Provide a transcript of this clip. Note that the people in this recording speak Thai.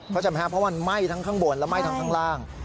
เข้าใจไหมครับเพราะมันไหม้ทั้งข้างบนและไหม้ทั้งข้างล่าง